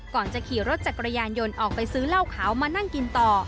ก่อนจะขี่รถจักรยานยนต์ออกไปซื้อเหล้าขาวมานั่งกินต่อ